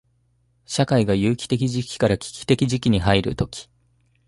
社会が有機的時期から危機的時期に入るとき、